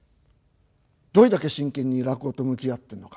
どれだけ真剣に落語と向き合ってるのか？